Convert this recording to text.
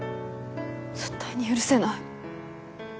絶対に許せない。